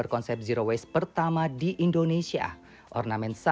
konsumen yang mendapatkan produk yang luar biasa